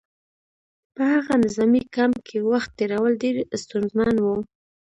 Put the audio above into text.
په هغه نظامي کمپ کې وخت تېرول ډېر ستونزمن وو